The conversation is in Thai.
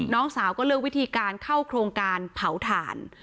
น้องสาวก็เลือกวิธีการเข้าโครงการเผาถ่าน